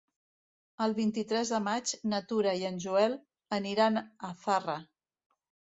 El vint-i-tres de maig na Tura i en Joel aniran a Zarra.